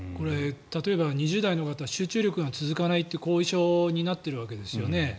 例えば２０代の方集中力が続かないって後遺症になっているわけですよね。